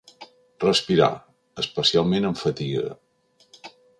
Respirar, especialment amb fatiga.